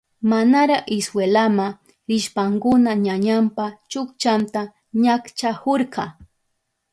Manara iskwelama rishpankuna ñañanpa chukchanta ñakchahurka.